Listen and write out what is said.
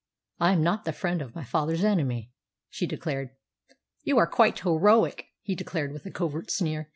"I am not the friend of my father's enemy!" she declared. "You are quite heroic," he declared with a covert sneer.